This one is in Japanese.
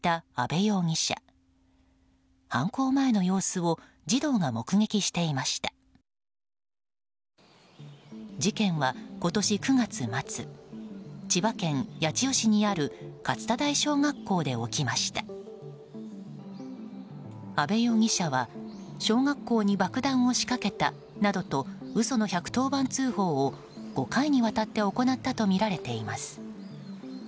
阿部容疑者は小学校に爆弾を仕掛けたなどと嘘の１１０番通報を５回にわたって行ったとみられています。